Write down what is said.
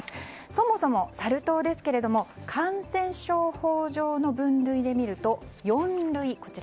そもそもサル痘ですが感染症法上の分類でみると四類。